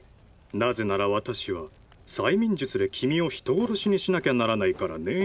なぜなら私は催眠術で君を人殺しにしなきゃならないからねぇ。